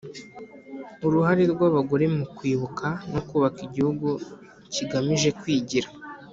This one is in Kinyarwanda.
Uruhare rw abagore mu kwibuka no kubaka igihugu kigamije kwigira